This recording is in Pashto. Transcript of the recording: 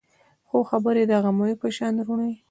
څو خبرې د غمیو په شان روڼې